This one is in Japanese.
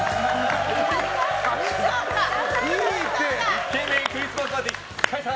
イケメンクリスマスパーティー開催！